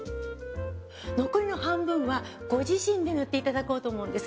残りの半分はご自身で塗っていただこうと思うんです。